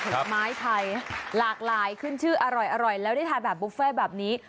ผลไม้ไทยหลากหลายขึ้นชื่ออร่อยแล้วได้ทานแบบบุฟเฟ่แบบนี้